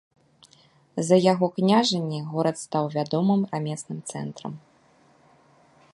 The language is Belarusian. За яго княжанне горад стаў вядомым рамесным цэнтрам.